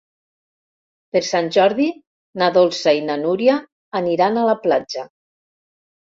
Per Sant Jordi na Dolça i na Núria aniran a la platja.